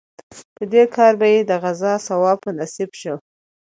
په دې کار به یې د غزا ثواب په نصیب شو.